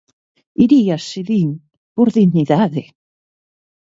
Iríase, din, "por dignidade".